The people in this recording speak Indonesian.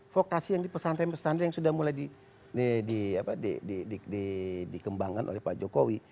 vokasi yang di pesantren pesantren yang sudah mulai dikembangkan oleh pak jokowi